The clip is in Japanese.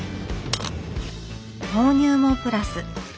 豆乳もプラス。